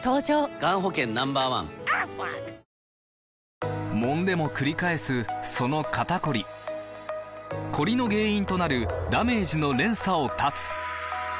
［そして］もんでもくり返すその肩こりコリの原因となるダメージの連鎖を断つ！